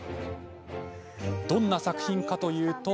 どんな作品かというと。